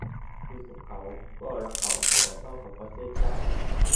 คุยกับเขา ก็จะรักเขา แต่เศร้ากับประเทศชาติ